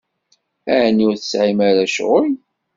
Ɛni ur tesɛim ara ccɣel?